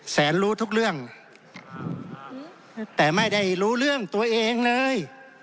แสนรู้ทุกเรื่องแต่ไม่ได้รู้เรื่องตัวเองเลย